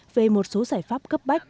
về một số giải pháp cấp bách